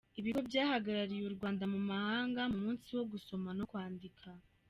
Ibigo byahagarariye u Rwanda Mumahanga mu munsi wo gusoma no kwandika